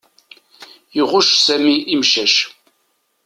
Iɣucc Sami imcac.